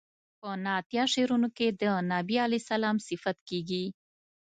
په نعتیه شعرونو کې د بني علیه السلام صفت کیږي.